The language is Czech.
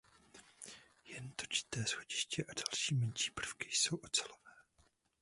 Jen točité schodiště a další menší prvky jsou ocelové.